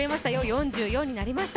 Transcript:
４４になりました。